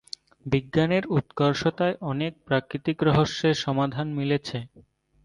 বিজ্ঞানের উৎকর্ষতায় অনেক প্রাকৃতিক রহস্যের সমাধান মিলেছে।